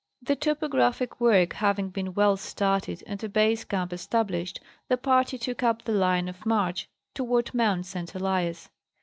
The topographic work having been well started and a base camp established, the party took up the line of march toward Mt. St. Elias.